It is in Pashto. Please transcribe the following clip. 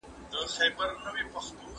زه پرون سفر وکړ؟